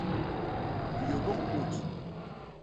Nyômôk u mut.